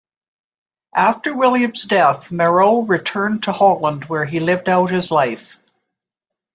After William's death Marot returned to Holland where he lived out his life.